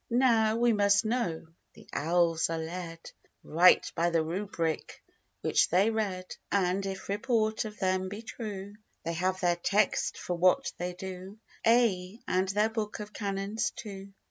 Now, we must know, the elves are led Right by the Rubric, which they read: And if report of them be true, They have their text for what they do; Ay, and their book of canons too.